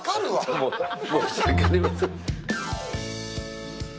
申し訳ありません。